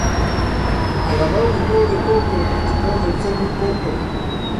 Alabaron el modo de juego pero criticaron el ser muy corto.